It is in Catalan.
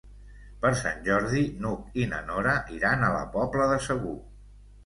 Per Sant Jordi n'Hug i na Nora iran a la Pobla de Segur.